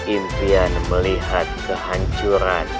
impian melihat kehancuran